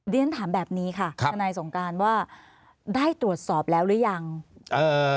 เรียนถามแบบนี้ค่ะทนายสงการว่าได้ตรวจสอบแล้วหรือยังเอ่อ